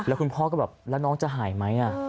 แล้วคุณพ่อก็แบบแล้วน้องจะหายไหม